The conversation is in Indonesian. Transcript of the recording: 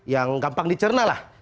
yang gampang dicerna lah